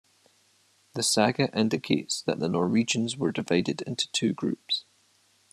The saga indicates that the Norwegians were divided into two groups.